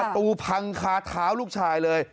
พังคาเท้าลูกชายเลย